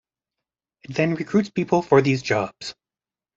It then recruits people for these jobs.